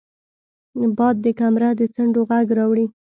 باد د کمره د څنډو غږ راوړي